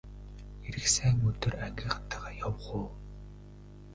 Ирэх сайн өдөр ангийнхантайгаа явах уу!